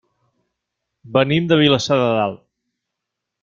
Venim de Vilassar de Dalt.